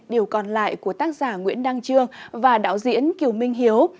điều còn lại của tác giả nguyễn đăng trương và đạo diễn kiều minh hiếu